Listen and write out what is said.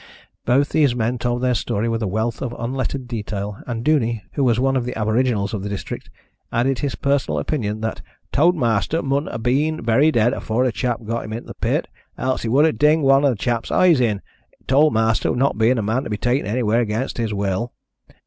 Both these men told their story with a wealth of unlettered detail, and Duney, who was one of the aboriginals of the district, added his personal opinion that t'oud ma'aster mun 'a' been very dead afore the chap got him in the pit, else he would 'a' dinged one of the chap's eyes in, t'oud ma'aster not bein' a man to be taken anywhere against his will.